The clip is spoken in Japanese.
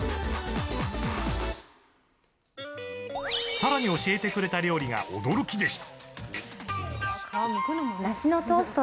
さらに教えてくれた料理が驚きでした！